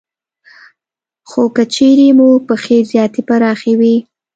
خو که چېرې مو پښې زیاتې پراخې وي